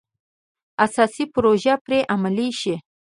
اساسي پروژې پرې عملي شي.